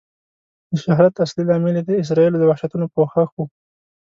د شهرت اصلي لامل یې د اسرائیلو د وحشتونو پوښښ و.